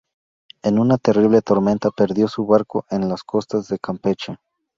En una terrible tormenta, perdió su barco en las costas de Campeche.